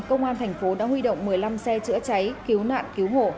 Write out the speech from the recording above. công an thành phố đã huy động một mươi năm xe chữa cháy cứu nạn cứu hộ